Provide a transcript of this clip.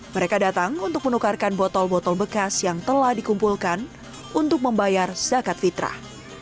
mereka datang untuk menukarkan botol botol bekas yang telah dikumpulkan untuk membayar zakat fitrah